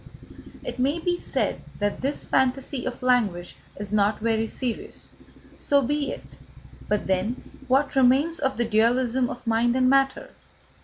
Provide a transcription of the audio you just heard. It may be said that this fantasy of language is not very serious. So be it. But then what remains of the dualism of mind and matter?